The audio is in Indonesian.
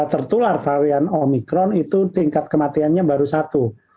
tertular varian omikron itu tingkat kematiannya baru satu